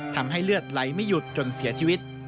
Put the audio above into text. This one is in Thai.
ทำให้เลือดไหลไม่หยุดจนเสียชีวิต